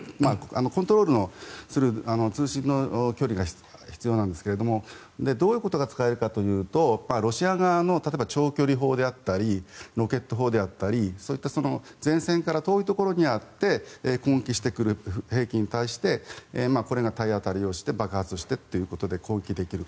コントロールする通信の距離が必要なんですけれどもどういうことが使えるかというとロシア側の長距離砲であったりロケット砲であったりそういった前線から遠いところにあって攻撃してくる兵器に対してこれが体当たりをして爆発をしてということ攻撃できる。